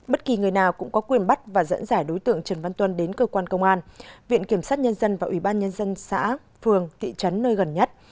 bất kỳ người nào cũng có quyền bắt và dẫn dải đối tượng trần văn tuân đến cơ quan công an viện kiểm sát nhân dân và ủy ban nhân dân xã phường thị trấn nơi gần nhất